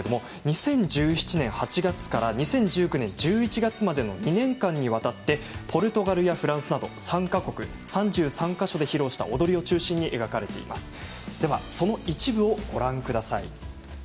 ２０１７年８月から２０１９年１１月までの２年間にわたってポルトガルやフランスなど３か国３３か所で披露した踊りを中心に描かれています。